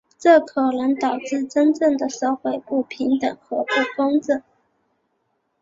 这可能导致真正的社会不平等和不公正。